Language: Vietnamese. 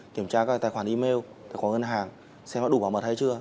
kiểm tra các tài khoản email tài khoản ngân hàng xem có đủ bảo mật hay chưa